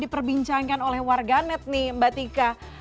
diperbincangkan oleh warganet nih mbak tika